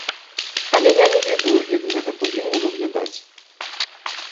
Але я не ведаю, як гэта павінна выглядаць.